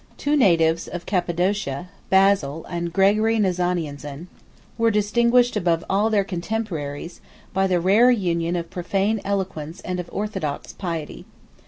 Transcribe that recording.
Two natives of Cappadocia, Basil, and Gregory Nazianzen, 27 were distinguished above all their contemporaries, 28 by the rare union of profane eloquence and of orthodox piety.